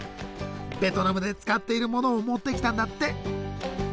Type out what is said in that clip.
ベトナムで使っているものを持ってきたんだって。